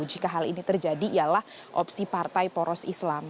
jika hal ini terjadi ialah opsi partai poros islam